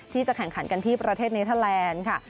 ที่จะแข่งขันกันที่ประเทศเนเทอร์แลนด์ค่ะ